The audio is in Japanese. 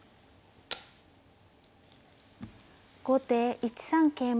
後手１三桂馬。